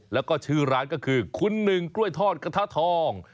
แล้วก็ชื่อร้านก็คือคุณหนึ่งกล้วยทอดกระทะทอง